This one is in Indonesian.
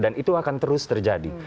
dan itu akan terus terjadi